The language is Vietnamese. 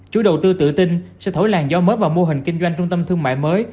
chủ đầu tư tự tin sẽ thổi làn gió mới vào mô hình kinh doanh trung tâm thương mại mới